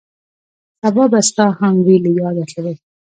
سبا به ستا هم وي له یاده تللی